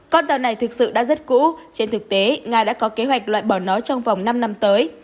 con tàu này thực sự đã rất cũ trên thực tế nga đã có kế hoạch loại bỏ nó trong vòng năm năm tới